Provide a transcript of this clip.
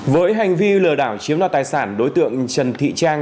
với hành vi lừa đảo chiếm đoạt tài sản đối tượng trần thị trang